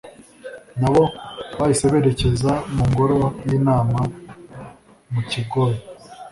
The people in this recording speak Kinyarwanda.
nab o bahise berekeza mu ngoro y’inama mu Kigobe